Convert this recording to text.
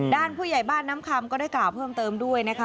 ผู้ใหญ่บ้านน้ำคำก็ได้กล่าวเพิ่มเติมด้วยนะคะ